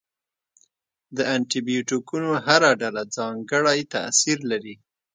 د انټي بیوټیکونو هره ډله ځانګړی تاثیر لري.